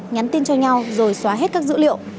nhắn tin cho nhau rồi xóa hết các dữ liệu